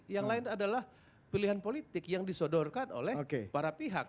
yang lain adalah pilihan politik yang disodorkan oleh para pihak